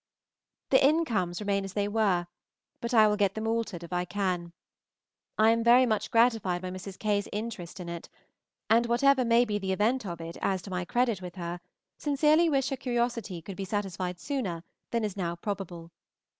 The Incomes remain as they were, but I will get them altered if I can. I am very much gratified by Mrs. K.'s interest in it; and whatever may be the event of it as to my credit with her, sincerely wish her curiosity could be satisfied sooner than is now probable.